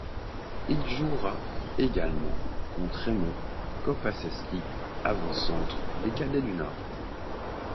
Il jouera également contre Raymond Kopaszewski, avant-centre des cadets du Nord.